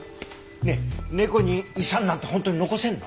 ねえ猫に遺産なんて本当に残せるの？